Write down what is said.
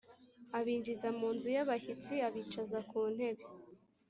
abinjiza mu nzu y abashyitsi abicaza ku ntebe